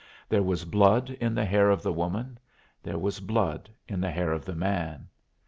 There was blood in the hair of the woman; there was blood in the hair of the man.